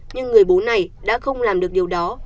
nhưng người bố này đã không làm được điều đó